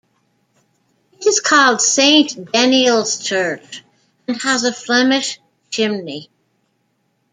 It is called Saint Deniol's church and has a Flemish chimney.